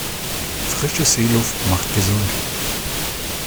Frische Seeluft macht gesund.